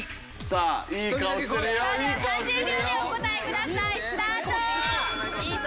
さあでは３０秒でお答えください。